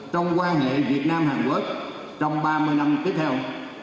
trong quan hệ việt nam hàn quốc trong ba mươi năm tiếp theo